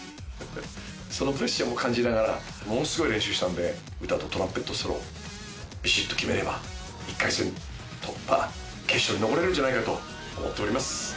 そのプレッシャーも感じながらものすごい練習したんで歌とトランペットソロをビシっと決めれば１回戦突破決勝に残れるんじゃないかと思っております。